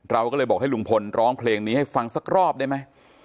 เราก็เลยบอกให้ลุงพลร้องเพลงนี้ให้ฟังสักรอบได้ไหม